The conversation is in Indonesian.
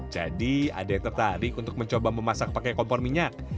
jadi ada yang tertarik untuk mencoba memasak pakai kompor minyak